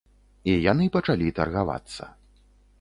І яны пачалі таргавацца.